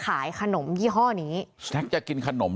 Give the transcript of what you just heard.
และก็คือว่าถึงแม้วันนี้จะพบรอยเท้าเสียแป้งจริงไหม